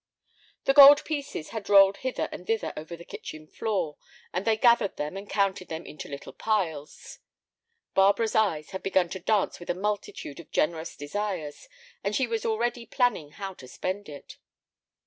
The gold pieces had rolled hither and thither over the kitchen floor, and they gathered them and counted them into little piles. Barbara's eyes had begun to dance with a multitude of generous desires, and she was already planning how to spend it.